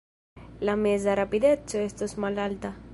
La meza rapideco estos malalta.